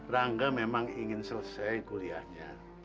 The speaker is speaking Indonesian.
rangga memang ingin selesai kuliahnya